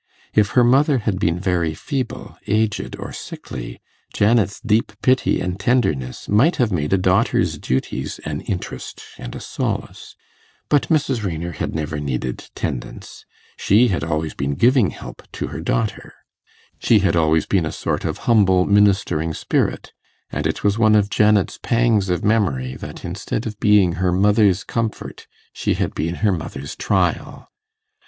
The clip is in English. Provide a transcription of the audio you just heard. If her mother had been very feeble, aged, or sickly, Janet's deep pity and tenderness might have made a daughter's duties an interest and a solace; but Mrs. Raynor had never needed tendance; she had always been giving help to her daughter; she had always been a sort of humble ministering spirit; and it was one of Janet's pangs of memory, that instead of being her mother's comfort, she had been her mother's trial.